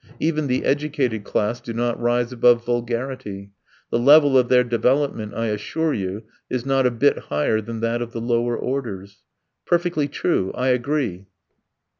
Even the educated class do not rise above vulgarity; the level of their development, I assure you, is not a bit higher than that of the lower orders." "Perfectly true. I agree."